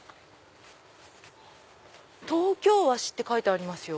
「東京和紙」って書いてありますよ。